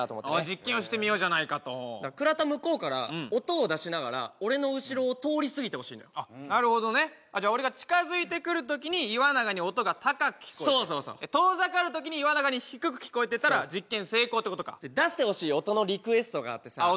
実験をしてみようじゃないかと倉田向こうから音を出しながら俺の後ろを通り過ぎてほしいのよなるほどねじゃあ俺が近づいてくるときに岩永に音が高く聞こえるそうそうそう遠ざかるときに岩永に低く聞こえてたら実験成功ってことか出してほしい音のリクエストがあってさあ